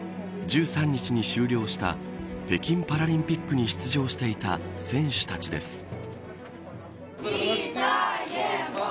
１３日に終了した北京パラリンピックに出場していた選手たちです。